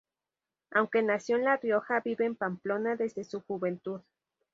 Aunque nació en La Rioja, vive en Pamplona desde su juventud.